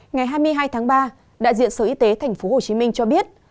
ngày hai mươi hai tháng ba đại diện sở y tế tp hcm cho biết